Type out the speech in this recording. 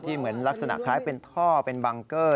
เหมือนลักษณะคล้ายเป็นท่อเป็นบังเกอร์